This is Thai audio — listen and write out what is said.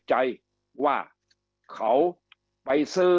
คำอภิปรายของสอสอพักเก้าไกลคนหนึ่ง